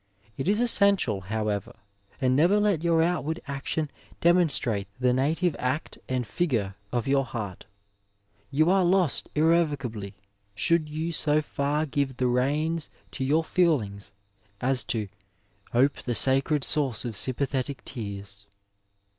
It is essential, however, and never let your outward action demonstrate the native act and figure of your hecurt. You are lost irrevocably, should you so far give the reins to your feelings as to '* ope the sacted source of sjrmpathetic tears."